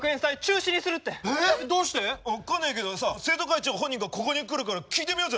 分かんないけどさ生徒会長本人がここに来るから聞いてみようぜ！